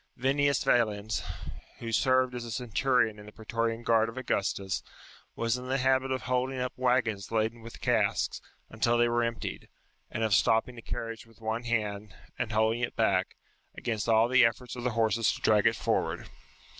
Vinnius Yalens, who served as a centurion in the praetorian guard of Augustus, was in the habit of holding up waggons laden with casks, until they were emptied ; and of stopping a carriage with one hand, and holding it back, against all the efforts of the horses to drag it forward.